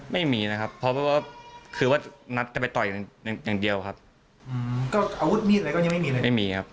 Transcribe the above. ไม่มีนะครับเพราะว่าคือว่านัดจะไปต่อยอย่างเดียวครับก็อาวุธมีดอะไรก็ยังไม่มีเลยไม่มีครับ